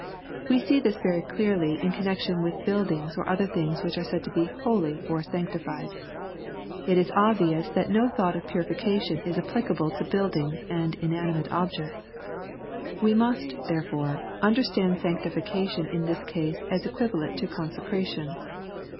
We see this very clearly in con nection with buildings or things which are said to be " holy " or " sanctified." It is obvious that no thought of purification is applicable to buildings and inanimate objects. We must, therefore, understand sanctification in this case as equivalent to consecration.